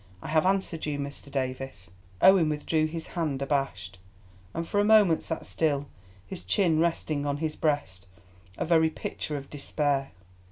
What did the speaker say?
I have answered you, Mr. Davies." Owen withdrew his hand abashed, and for a moment sat still, his chin resting on his breast, a very picture of despair.